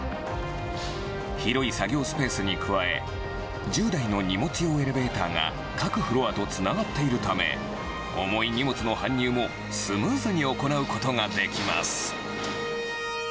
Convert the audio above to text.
広い作業スペースに加え、１０台の荷物用エレベーターが各フロアとつながっているため、重い荷物の搬入もスムーズに行うことができます。